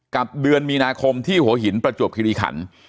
เดือนมีนาคมที่หัวหินประจวบคิริขัน